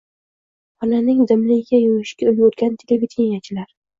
xonaning dimligiga yo‘yishga ulgurgan televideniyechilar